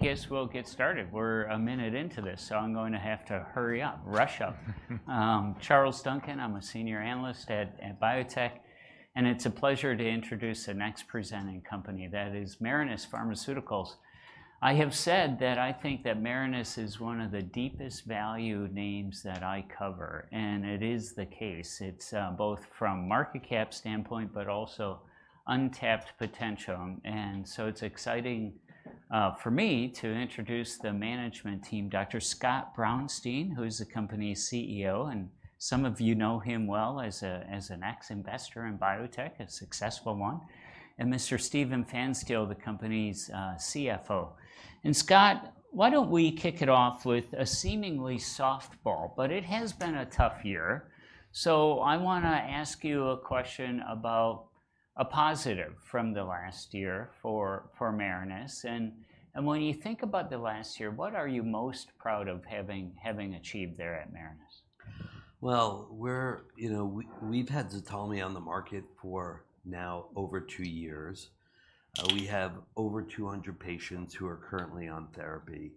I guess we'll get started. We're a minute into this, so I'm going to have to hurry up. Charles Duncan, I'm a senior analyst at biotech, and it's a pleasure to introduce the next presenting company, that is Marinus Pharmaceuticals. I have said that I think that Marinus is one of the deepest value names that I cover, and it is the case. It's both from market cap standpoint, but also untapped potential, and so it's exciting for me to introduce the management team, Dr. Scott Braunstein, who is the company's CEO, and some of you know him well as an ex-investor in biotech, a successful one, and Mr. Steven Pfanstiel, the company's CFO. Scott, why don't we kick it off with a seemingly softball, but it has been a tough year. I wanna ask you a question about a positive from the last year for Marinus, and when you think about the last year, what are you most proud of having achieved there at Marinus? We're... You know, we've had Ztalmy on the market for now over two years. We have over 200 patients who are currently on therapy,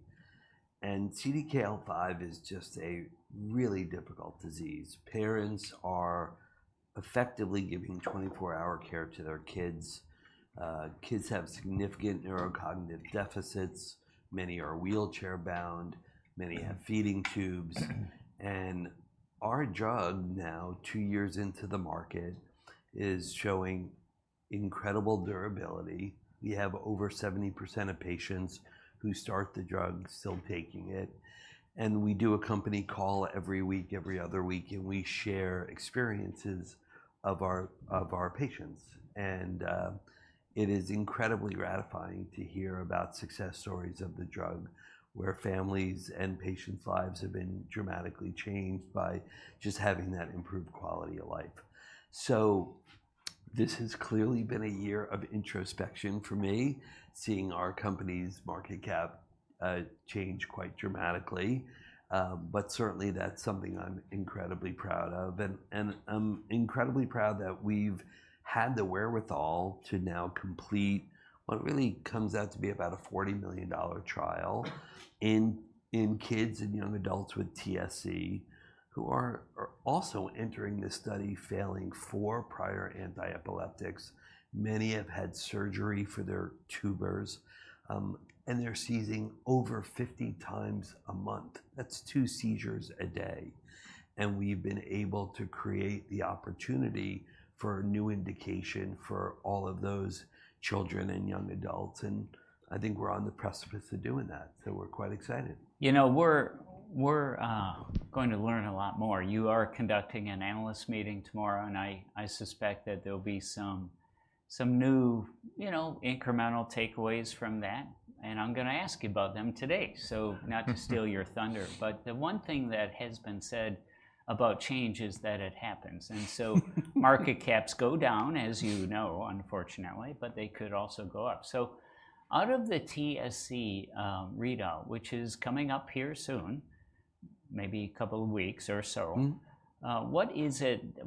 and CDKL5 is just a really difficult disease. Parents are effectively giving 24-hour care to their kids. Kids have significant neurocognitive deficits. Many are wheelchair-bound. Many have feeding tubes. And our drug now, two years into the market, is showing incredible durability. We have over 70% of patients who start the drug still taking it, and we do a company call every week, every other week, and we share experiences of our patients. And it is incredibly gratifying to hear about success stories of the drug, where families and patients' lives have been dramatically changed by just having that improved quality of life. So this has clearly been a year of introspection for me, seeing our company's market cap change quite dramatically, but certainly that's something I'm incredibly proud of. I'm incredibly proud that we've had the wherewithal to now complete what really comes out to be about a $40 million trial in kids and young adults with TSC, who are also entering the study failing four prior antiepileptics. Many have had surgery for their tumors, and they're seizing over 50 times a month. That's two seizures a day, and we've been able to create the opportunity for a new indication for all of those children and young adults, and I think we're on the precipice of doing that, so we're quite excited. You know, we're going to learn a lot more. You are conducting an analyst meeting tomorrow, and I suspect that there'll be some new, you know, incremental takeaways from that, and I'm gonna ask you about them today. So not to steal your thunder, but the one thing that has been said about change is that it happens, and so market caps go down, as you know, unfortunately, but they could also go up. So out of the TSC readout, which is coming up here soon, maybe a couple of weeks or so. Mm.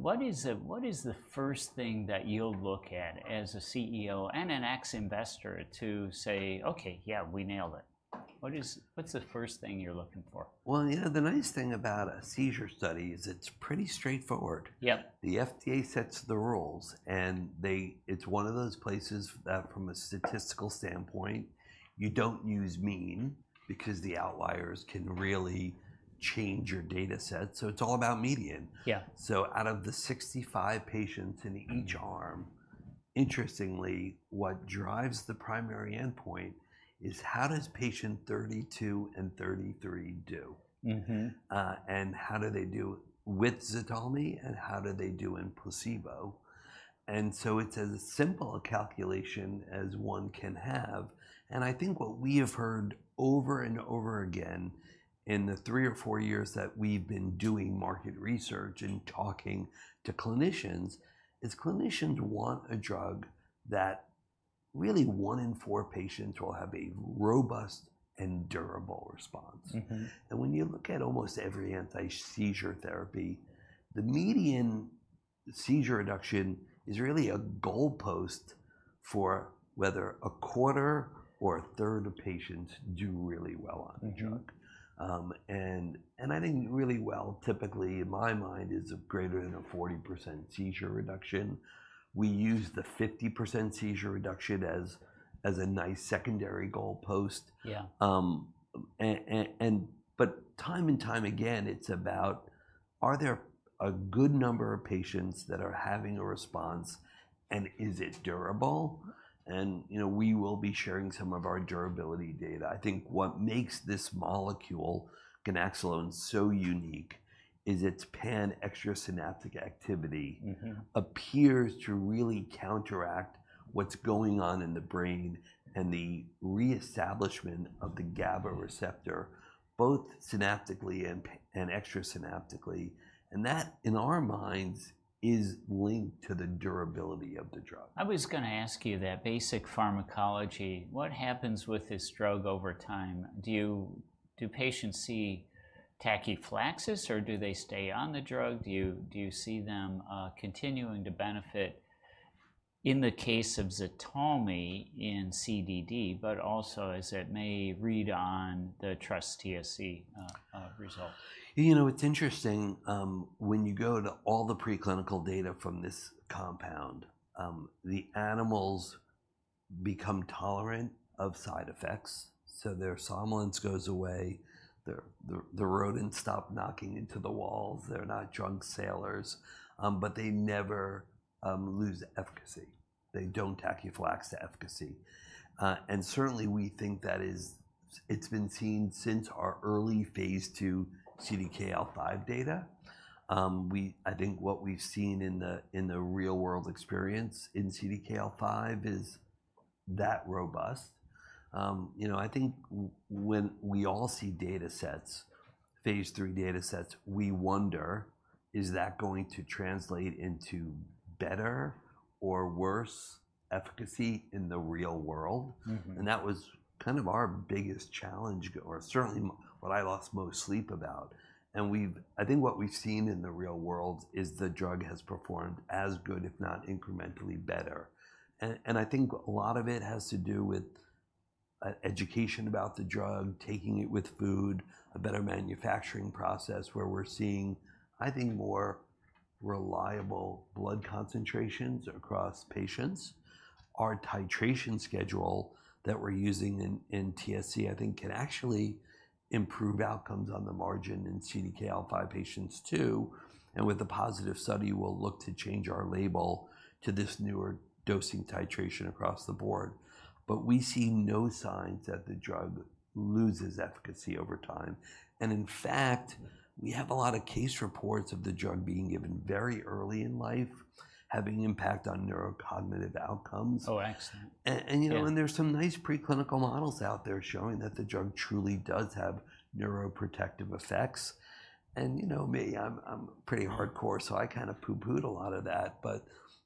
What is the first thing that you'll look at as a CEO and an ex-investor to say, "Okay, yeah, we nailed it"? What's the first thing you're looking for? Well, you know, the nice thing about a seizure study is it's pretty straightforward. Yep. The FDA sets the rules, and they... It's one of those places that, from a statistical standpoint, you don't use mean, because the outliers can really change your data set, so it's all about median. Yeah. Out of the 65 patients in each arm, interestingly, what drives the primary endpoint is, how does patient 32 and 33 do? Mm-hmm. And how do they do with Ztalmy, and how do they do in placebo? And so it's as simple a calculation as one can have, and I think what we have heard over and over again in the three or four years that we've been doing market research and talking to clinicians, is clinicians want a drug that really one in four patients will have a robust and durable response. Mm-hmm. When you look at almost every anti-seizure therapy, the median seizure reduction is really a goalpost for whether a quarter or a third of patients do really well on the drug. Mm-hmm. I think really well, typically, in my mind, is greater than a 40% seizure reduction. We use the 50% seizure reduction as a nice secondary goalpost. Yeah. But time and time again, it's about, are there a good number of patients that are having a response, and is it durable? And, you know, we will be sharing some of our durability data. I think what makes this molecule, ganaxolone, so unique is its pan-extrasynaptic activity- Mm-hmm.... appears to really counteract what's going on in the brain and the reestablishment of the GABA receptor, both synaptically and extrasynaptically, and that, in our minds, is linked to the durability of the drug. I was gonna ask you that. Basic pharmacology, what happens with this drug over time? Do patients see tachyphylaxis, or do they stay on the drug? Do you, do you see them continuing to benefit in the case of Ztalmy in CDD, but also as it may read on the TrustTSC result? You know, it's interesting, when you go to all the preclinical data from this compound, the animals become tolerant of side effects, so their somnolence goes away. The rodents stop knocking into the walls. They're not drunk sailors. But they never lose efficacy. They don't tachyphylaxis to efficacy. And certainly we think that it's been seen since our early phase II CDKL5 data. I think what we've seen in the real-world experience in CDKL5 is that robust. You know, I think when we all see data sets, phase III data sets, we wonder, "Is that going to translate into better or worse efficacy in the real world? Mm-hmm. And that was kind of our biggest challenge, or certainly what I lost most sleep about. And we've I think what we've seen in the real world is the drug has performed as good, if not incrementally better. And I think a lot of it has to do with education about the drug, taking it with food, a better manufacturing process, where we're seeing, I think, more reliable blood concentrations across patients. Our titration schedule that we're using in TSC, I think can actually improve outcomes on the margin in CDKL5 patients, too, and with a positive study, we'll look to change our label to this newer dosing titration across the board. But we see no signs that the drug loses efficacy over time, and in fact, we have a lot of case reports of the drug being given very early in life, having impact on neurocognitive outcomes. Oh, excellent. You know- Yeah.... and there's some nice preclinical models out there showing that the drug truly does have neuroprotective effects. You know me, I'm pretty hardcore, so I kind of pooh-poohed a lot of that, but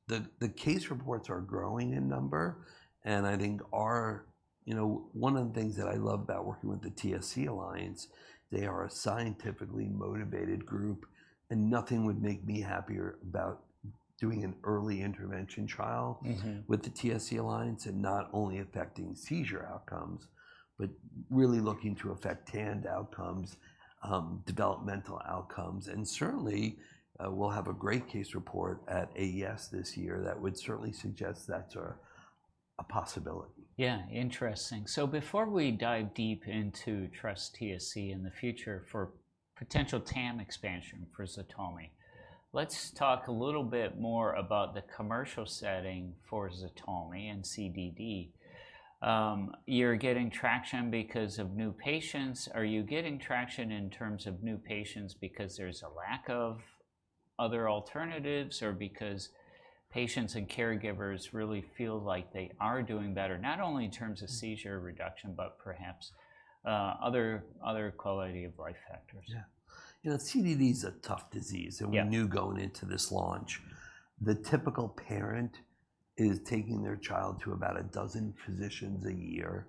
the case reports are growing in number, and I think our... You know, one of the things that I love about working with the TSC Alliance, they are a scientifically motivated group, and nothing would make me happier about doing an early intervention trial- Mm-hmm.... with the TSC Alliance, and not only affecting seizure outcomes, but really looking to affect hand outcomes, developmental outcomes, and certainly, we'll have a great case report at AES this year that would certainly suggest that's a possibility. Yeah, interesting. So before we dive deep into TrustTSC in the future for potential TAM expansion for Ztalmy, let's talk a little bit more about the commercial setting for Ztalmy and CDD. You're getting traction because of new patients. Are you getting traction in terms of new patients because there's a lack of other alternatives, or because patients and caregivers really feel like they are doing better, not only in terms of seizure reduction, but perhaps, other quality-of-life factors? Yeah. You know, CDD's a tough disease- Yeah.... and we knew going into this launch. The typical parent is taking their child to about a dozen physicians a year,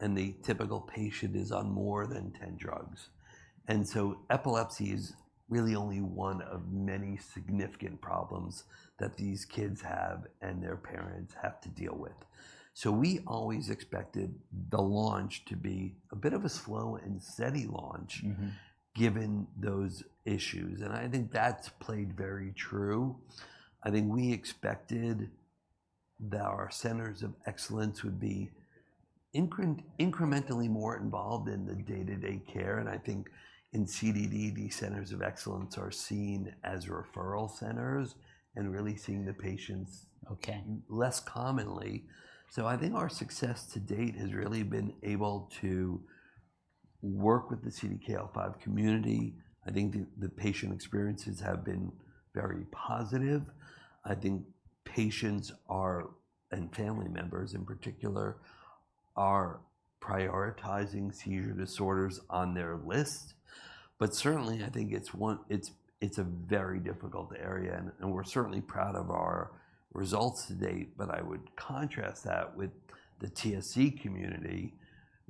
and the typical patient is on more than 10 drugs, and so epilepsy is really only one of many significant problems that these kids have and their parents have to deal with. So we always expected the launch to be a bit of a slow and steady launch- Mm-hmm. ... given those issues, and I think that's played very true. I think we expected that our centers of excellence would be incrementally more involved in the day-to-day care, and I think in CDD, the centers of excellence are seen as referral centers and really seeing the patients- Okay.... less commonly. So I think our success to date has really been able to work with the CDKL5 community. I think the patient experiences have been very positive. I think patients are, and family members in particular, are prioritizing seizure disorders on their list. But certainly, I think it's one. It's a very difficult area, and we're certainly proud of our results to date. But I would contrast that with the TSC community,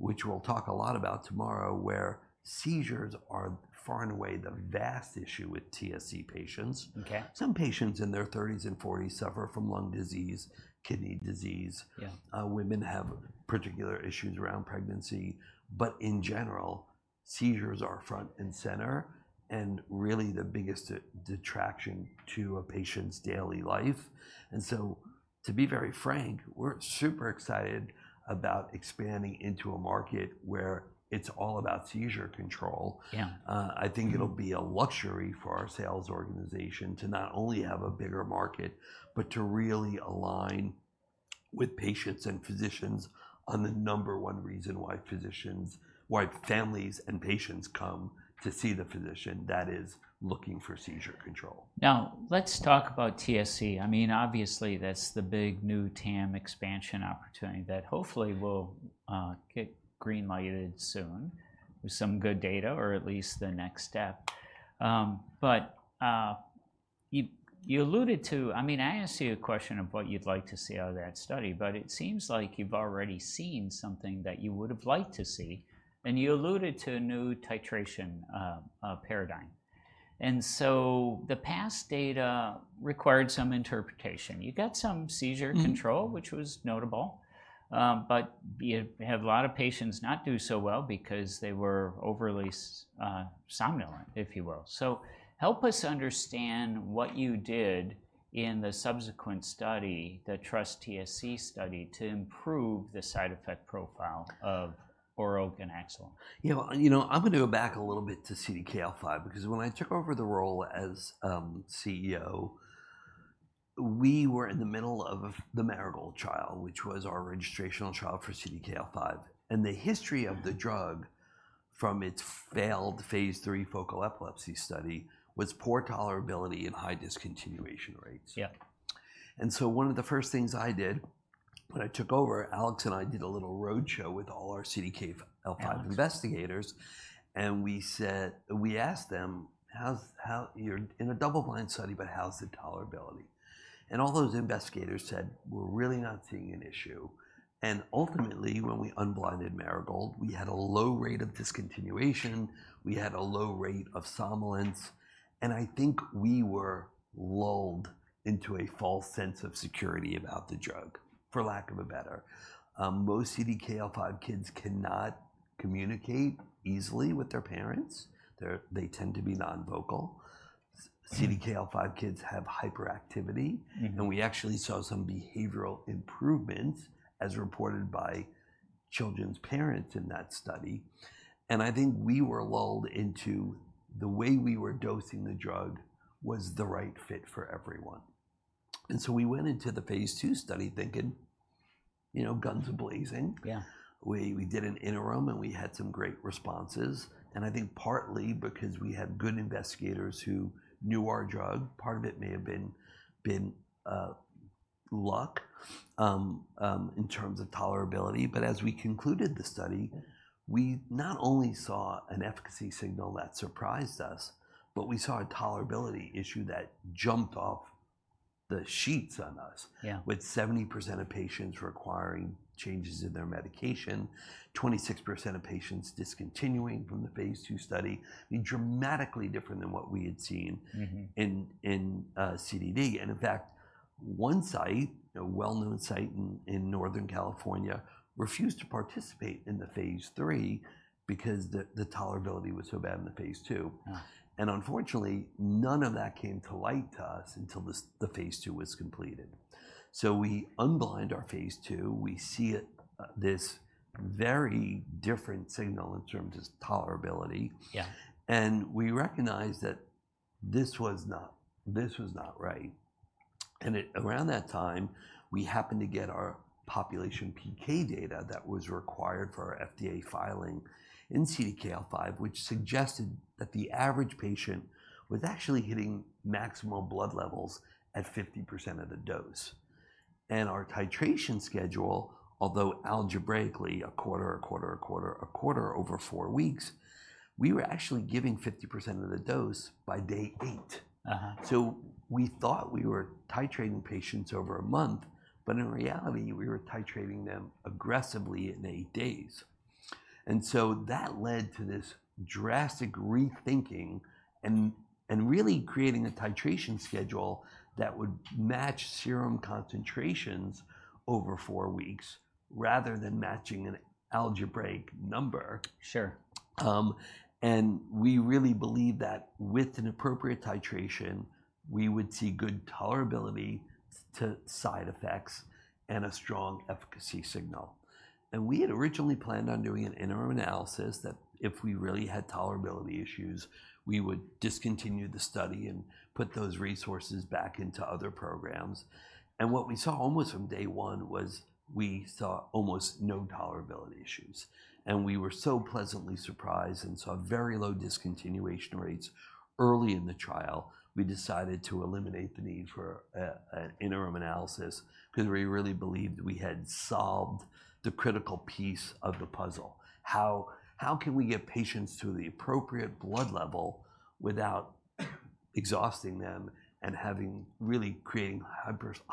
which we'll talk a lot about tomorrow, where seizures are far and away the vast issue with TSC patients. Okay. Some patients in their 30s and 40s suffer from lung disease, kidney disease. Yeah.... women have particular issues around pregnancy, but in general, seizures are front and center and really the biggest detriment to a patient's daily life. And so to be very frank, we're super excited about expanding into a market where it's all about seizure control. Yeah. I think it'll be a luxury for our sales organization to not only have a bigger market, but to really align with patients and physicians on the number one reason why families and patients come to see the physician, that is, looking for seizure control. Now, let's talk about TSC. I mean, obviously that's the big, new TAM expansion opportunity that hopefully will get green-lighted soon with some good data or at least the next step. But you alluded to... I mean, I asked you a question of what you'd like to see out of that study, but it seems like you've already seen something that you would have liked to see, and you alluded to a new titration paradigm. And so the past data required some interpretation. You got some seizure control- Mm-hmm. -which was notable, but you have a lot of patients not do so well because they were overly somnolent, if you will. So help us understand what you did in the subsequent study, the TRUST-TSC study, to improve the side effect profile of oral ganaxolone. You know, and, you know, I'm gonna go back a little bit to CDKL5, because when I took over the role as CEO, we were in the middle of the Marigold trial, which was our registrational trial for CDKL5. And the history of the drug, from its failed phase III focal epilepsy study, was poor tolerability and high discontinuation rates. Yeah. And so one of the first things I did when I took over, Alex and I did a little road show with all our CDKL5 investigators, and we said... We asked them, "How's, how- you're in a double-blind study, but how's the tolerability?" And all those investigators said, "We're really not seeing an issue." And ultimately, when we unblinded Marigold, we had a low rate of discontinuation. We had a low rate of somnolence, and I think we were lulled into a false sense of security about the drug, for lack of a better. Most CDKL5 kids cannot communicate easily with their parents. They tend to be non-vocal. CDKL5 kids have hyperactivity. Mm-hmm And we actually saw some behavioral improvements, as reported by children's parents in that study, and I think we were lulled into the way we were dosing the drug was the right fit for everyone, and so we went into the phase II study thinking, you know, guns blazing. Yeah. We did an interim, and we had some great responses, and I think partly because we had good investigators who knew our drug. Part of it may have been luck in terms of tolerability. But as we concluded the study, we not only saw an efficacy signal that surprised us, but we saw a tolerability issue that jumped off the sheets on us- Yeah.... with 70% of patients requiring changes in their medication, 26% of patients discontinuing from the phase II study. I mean, dramatically different than what we had seen- Mm-hmm.... in CDD, and in fact, one site, a well-known site in Northern California, refused to participate in the phase III because the tolerability was so bad in the phase II. Ah. Unfortunately, none of that came to light to us until this, the phase II was completed. We unblind our phase II. We see it, this very different signal in terms of tolerability. Yeah. We recognized that this was not, this was not right. Around that time, we happened to get our population PK data that was required for our FDA filing in CDKL5, which suggested that the average patient was actually hitting maximal blood levels at 50% of the dose. Our titration schedule, although algebraically a quarter, a quarter, a quarter, a quarter over four weeks, we were actually giving 50% of the dose by day eight. Uh-huh. We thought we were titrating patients over a month, but in reality, we were titrating them aggressively in eight days. That led to this drastic rethinking and really creating a titration schedule that would match serum concentrations over four weeks, rather than matching an algebraic number. Sure. And we really believe that with an appropriate titration, we would see good tolerability to side effects and a strong efficacy signal. And we had originally planned on doing an interim analysis, that if we really had tolerability issues, we would discontinue the study and put those resources back into other programs. And what we saw almost from day one was we saw almost no tolerability issues, and we were so pleasantly surprised and saw very low discontinuation rates early in the trial. We decided to eliminate the need for an interim analysis because we really believed we had solved the critical piece of the puzzle. How can we get patients to the appropriate blood level without exhausting them and really creating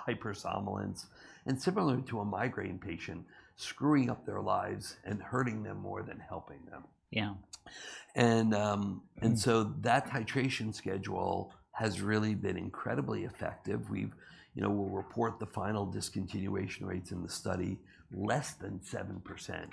hypersomnolence, and similar to a medicating patient, screwing up their lives and hurting them more than helping them? Yeah. And, um- Mm.... and so that titration schedule has really been incredibly effective. We've, you know, we'll report the final discontinuation rates in the study, less than 7%.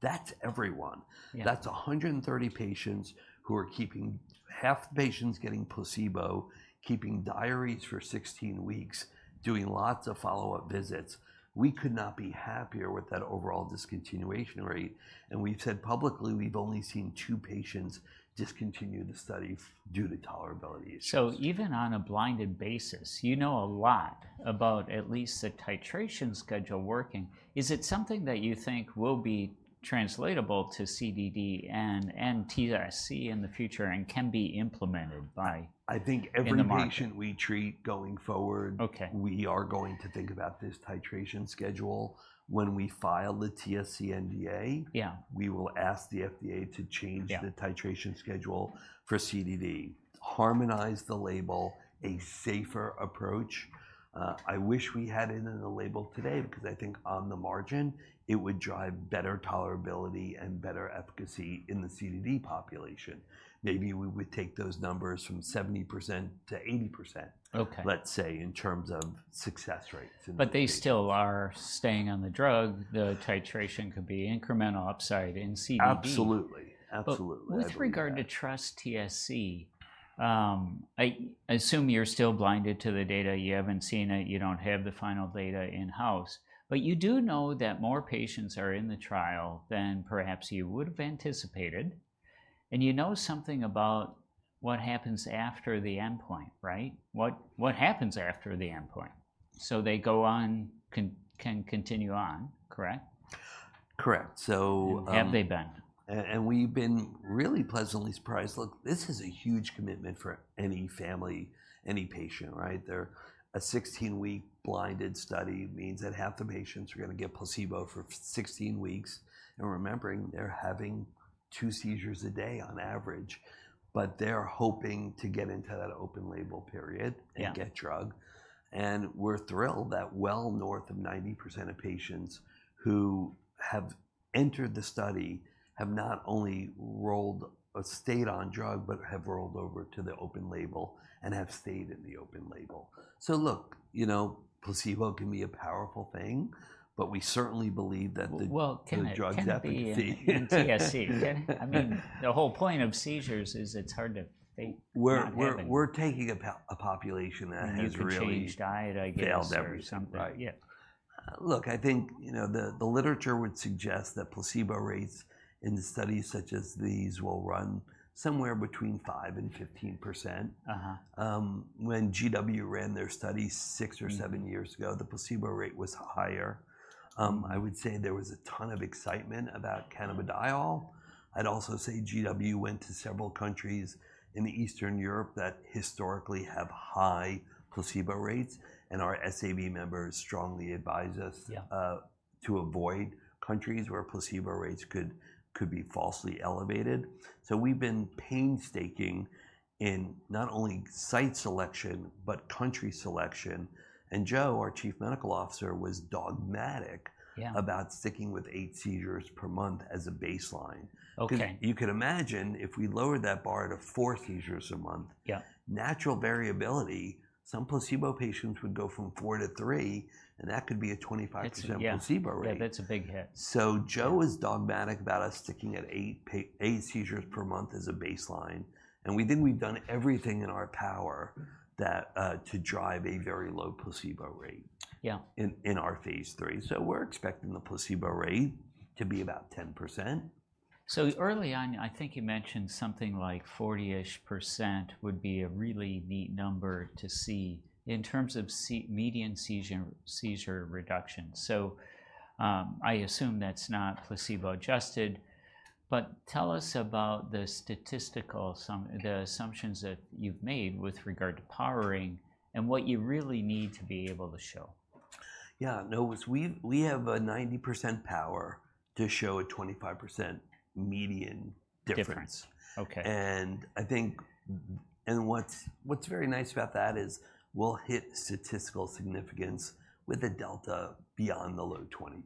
That's everyone. Yeah. That's 130 patients who are keeping... half the patients getting placebo, keeping diaries for 16 weeks, doing lots of follow-up visits. We could not be happier with that overall discontinuation rate, and we've said publicly we've only seen two patients discontinue the study due to tolerability issues. So even on a blinded basis, you know a lot about at least the titration schedule working. Is it something that you think will be translatable to CDD and TSC in the future and can be implemented by- I think-... in the market.... every patient we treat going forward- Okay.... we are going to think about this titration schedule. When we file the TSC NDA- Yeah.... we will ask the FDA to change- Yeah.... the titration schedule for CDD, harmonize the label, a safer approach. I wish we had it in the label today, because I think on the margin, it would drive better tolerability and better efficacy in the CDD population. Maybe we would take those numbers from 70% to 80%- Okay.... let's say, in terms of success rates in the- But they still are staying on the drug. The titration could be incremental upside in CDD. Absolutely. Absolutely. But with regard to TrustTSC, I assume you're still blinded to the data. You haven't seen it, you don't have the final data in-house. But you do know that more patients are in the trial than perhaps you would have anticipated, and you know something about what happens after the endpoint, right? What happens after the endpoint? So they go on, can continue on, correct? Correct. So, And have they been? We've been really pleasantly surprised. Look, this is a huge commitment for any family, any patient, right? A 16-week blinded study means that half the patients are gonna get placebo for 16 weeks, and remembering they're having two seizures a day on average. But they're hoping to get into that open-label period- Yeah.... and get drug, and we're thrilled that well north of 90% of patients who have entered the study have not only rolled or stayed on drug, but have rolled over to the open label, and have stayed in the open label. So look, you know, placebo can be a powerful thing, but we certainly believe that the- Well, can it-... the drug's efficacy.... in TSC, can it? I mean, the whole point of seizures is it's hard to think, not having- We're taking a population that has really- You could change diet, I guess-... failed every- or something. Right. Yeah. Look, I think, you know, the literature would suggest that placebo rates in the studies such as these will run somewhere between 5 and 15%. Uh-huh. When GW ran their study six or seven years ago the placebo rate was higher. I would say there was a ton of excitement about cannabidiol. I'd also say GW went to several countries in the Eastern Europe that historically have high placebo rates, and our SAB members strongly advise us- Yeah.... to avoid countries where placebo rates could be falsely elevated. So we've been painstaking in not only site selection, but country selection, and Joe, our Chief Medical Officer, was dogmatic- Yeah.... about sticking with eight seizures per month as a baseline. Okay. 'Cause you could imagine if we lowered that bar to four seizures a month- Yeah.... natural variability, some placebo patients would go from four to three, and that could be a 25% placebo rate. It's... Yeah, that's a big hit. So Joe was dogmatic about us sticking at eight seizures per month as a baseline, and we think we've done everything in our power that, to drive a very low placebo rate- Yeah.... in our phase III. So we're expecting the placebo rate to be about 10%. So early on, I think you mentioned something like 40-ish% would be a really neat number to see in terms of median seizure reduction. So, I assume that's not placebo-adjusted, but tell us about the statistical assumptions that you've made with regard to powering, and what you really need to be able to show. Yeah. No, we have a 90% power to show a 25% median difference. Difference. Okay. What's very nice about that is we'll hit statistical significance with a delta beyond the low 20%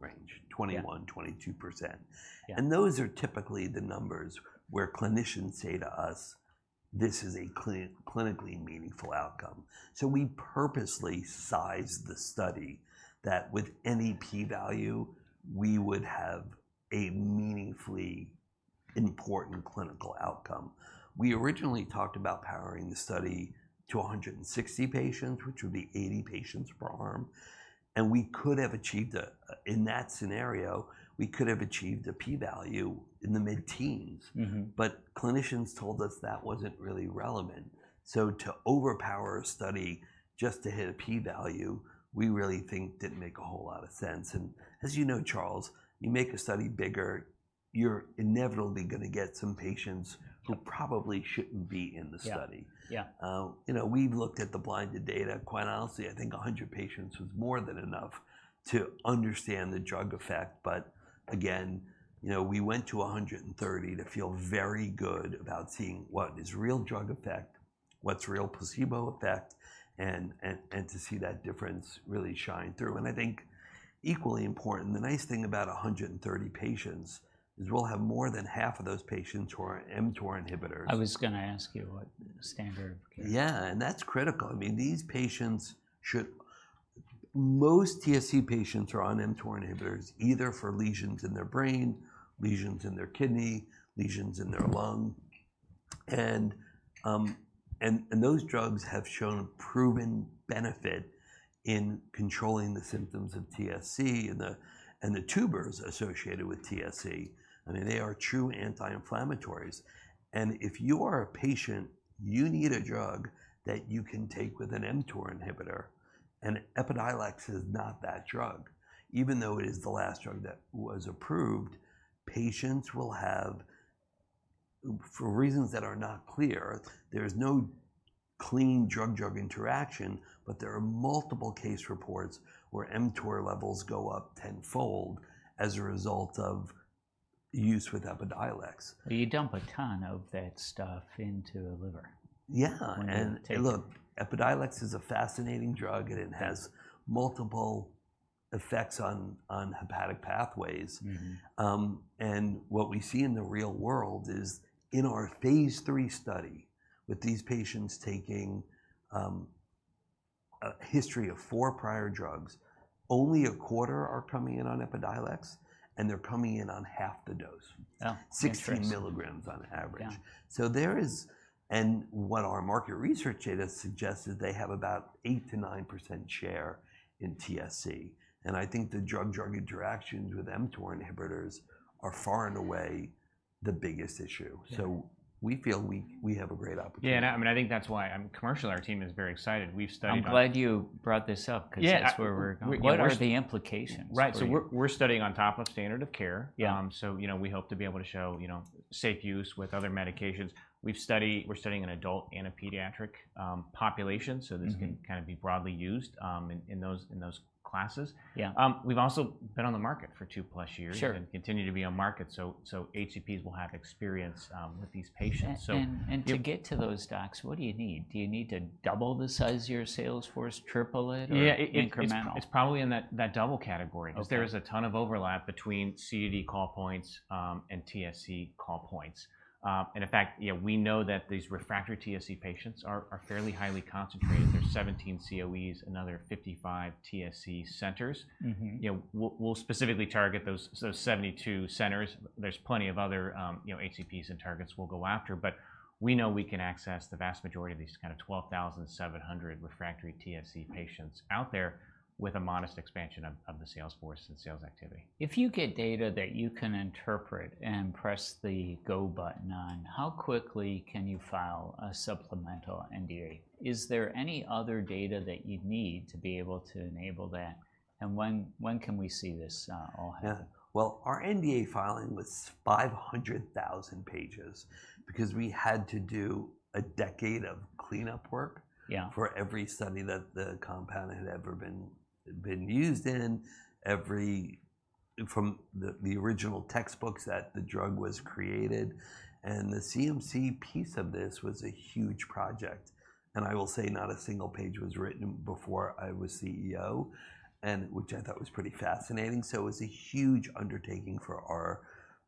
range. Yeah... 21%-22%. Yeah. And those are typically the numbers where clinicians say to us, "This is a clinically meaningful outcome." So we purposely sized the study that with any P value, we would have a meaningfully important clinical outcome. We originally talked about powering the study to 160 patients, which would be 80 patients per arm, and we could have achieved. In that scenario, we could have achieved a P value in the mid-teens. Mm-hmm. But clinicians told us that wasn't really relevant. So to overpower a study just to hit a P value, we really think didn't make a whole lot of sense, and as you know, Charles, you make a study bigger, you're inevitably gonna get some patients who probably shouldn't be in the study. Yeah. Yeah. You know, we've looked at the blinded data. Quite honestly, I think 100 patients was more than enough to understand the drug effect, but again, you know, we went to 130 to feel very good about seeing what is real drug effect, what's real placebo effect, and to see that difference really shine through. I think equally important, the nice thing about 130 patients is we'll have more than half of those patients who are mTOR inhibitors. I was gonna ask you what standard care- Yeah, and that's critical. I mean, these patients should... Most TSC patients are on mTOR inhibitors, either for lesions in their brain, lesions in their kidney, lesions in their lung, and those drugs have shown a proven benefit in controlling the symptoms of TSC and the tumors associated with TSC. I mean, they are true anti-inflammatories, and if you are a patient, you need a drug that you can take with an mTOR inhibitor, and Epidiolex is not that drug. Even though it is the last drug that was approved, patients will have, for reasons that are not clear, there's no clean drug-drug interaction, but there are multiple case reports where mTOR levels go up tenfold as a result of use with Epidiolex. You dump a ton of that stuff into a liver. Yeah. And it take- Look, Epidiolex is a fascinating drug, and it has multiple effects on hepatic pathways. Mm-hmm. What we see in the real world is, in our phase III study with these patients taking a history of four prior drugs, only a quarter are coming in on Epidiolex, and they're coming in on half the dose. Oh, interesting. 16 mg on average. Yeah. So there is... And what our market research data suggests is they have about 8%-9% share in TSC, and I think the drug-drug interactions with mTOR inhibitors are far and away the biggest issue. Yeah. We feel we have a great opportunity. Yeah, and I mean, I think that's why, commercial, our team is very excited. We've studied on- I'm glad you brought this up- Yeah.... 'cause that's where we're going. What are the implications for you? Right. So we're studying on top of standard of care. Yeah. You know, we hope to be able to show, you know, safe use with other medications. We're studying in adult and a pediatric population- Mm-hmm.... so this can kind of be broadly used in those classes. Yeah. We've also been on the market for two-plus years- Sure.... and continue to be on market, so HCPs will have experience with these patients, so- And to get to those docs, what do you need? Do you need to double the size of your sales force, triple it, or- Yeah, it- incremental?... it's probably in that double category- Okay.... 'cause there is a ton of overlap between CDD call points and TSC call points, and in fact, yeah, we know that these refractory TSC patients are fairly highly concentrated. There's 17 COEs and another 55 TSC centers. Mm-hmm. You know, we'll specifically target those, so 72 centers. There's plenty of other, you know, HCPs and targets we'll go after, but we know we can access the vast majority of these kind of 12,700 refractory TSC patients out there with a modest expansion of the sales force and sales activity. If you get data that you can interpret and press the Go button on, how quickly can you file a supplemental NDA? Is there any other data that you'd need to be able to enable that, and when, when can we see this all happen? Yeah, well, our NDA filing was 500,000 pages because we had to do a decade of cleanup work- Yeah.... for every study that the compound had ever been used in, from the original textbooks that the drug was created, and the CMC piece of this was a huge project. And I will say not a single page was written before I was CEO, and which I thought was pretty fascinating, so it's a huge undertaking for our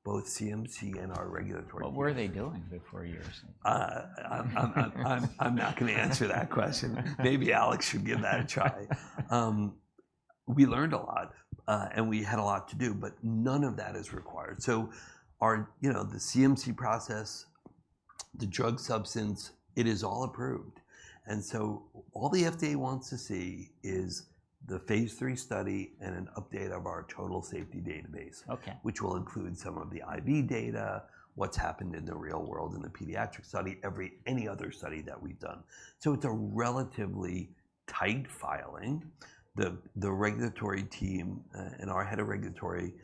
both CMC and our regulatory team. What were they doing before you? I'm not gonna answer that question. Maybe Alex should give that a try. We learned a lot, and we had a lot to do, but none of that is required. So our... You know, the CMC process, the drug substance, it is all approved, and so all the FDA wants to see is the phase III study and an update of our total safety database. Okay.... which will include some of the IV data, what's happened in the real world in the pediatric study, any other study that we've done. So it's a relatively tight filing. The regulatory team and our head of regulatory,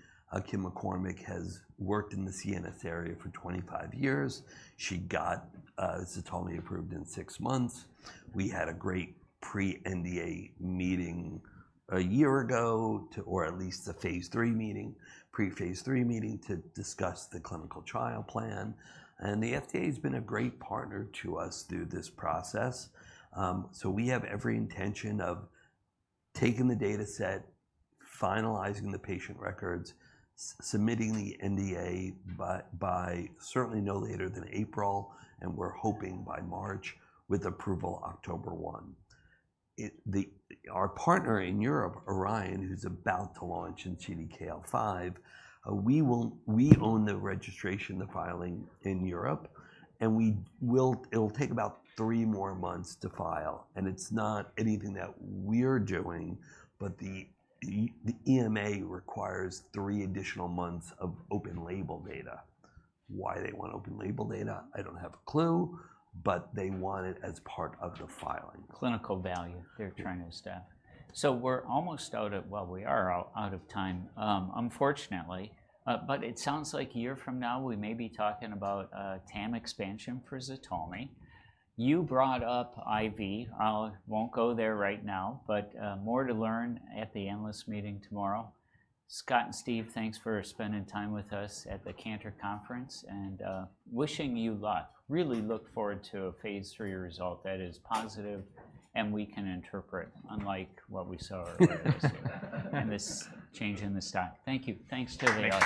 Kim McCormick, has worked in the CNS area for 25 years. She got Ztalmy approved in six months. We had a great pre-NDA meeting a year ago to, or at least the phase III meeting, pre-phase III meeting to discuss the clinical trial plan, and the FDA has been a great partner to us through this process, so we have every intention of taking the data set, finalizing the patient records, submitting the NDA by certainly no later than April, and we're hoping by March, with approval October 1. Our partner in Europe, Orion, who's about to launch in CDKL5, we own the registration, the filing in Europe, and it'll take about three more months to file, and it's not anything that we're doing, but the EMA requires three additional months of open label data. Why they want open label data, I don't have a clue, but they want it as part of the filing. Clinical value they're trying to establish. So we're out of time, unfortunately, but it sounds like a year from now we may be talking about TAM expansion for Ztalmy. You brought up IV. I won't go there right now, but more to learn at the analyst meeting tomorrow. Scott and Steve, thanks for spending time with us at the Cantor conference, and wishing you luck. Really look forward to a phase III result that is positive, and we can interpret, unlike what we saw earlier this year and this change in the stock. Thank you. Thanks to the audience.